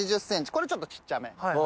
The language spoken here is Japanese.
これちょっとちっちゃめ。